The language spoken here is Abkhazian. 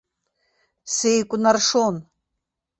Сеикәнаршон.